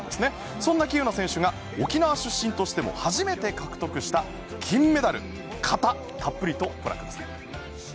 そんな喜友名選手が沖縄出身として初めて獲得した金メダル、形たっぷりとご覧ください。